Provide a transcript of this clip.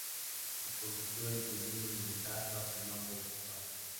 Se convirtió en tribuno militar bajo el mando de su padre.